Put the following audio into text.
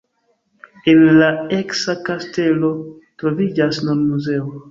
En la eksa kastelo troviĝas nun muzeo.